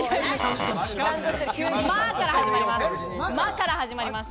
「ま」から始まります。